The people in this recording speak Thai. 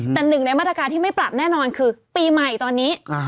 แต่หนึ่งในมาตรการที่ไม่ปรับแน่นอนคือปีใหม่ตอนนี้